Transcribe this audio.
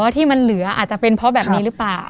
ที่มันเหลืออาจจะเป็นเพราะแบบนี้หรือเปล่า